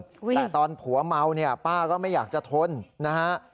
แต่ตอนผัวเมาเนี่ยป้าก็ไม่อยากจะทนนะฮะ